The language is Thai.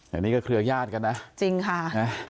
แต่นี่ก็เครือญาติกันนะจริงค่ะนะ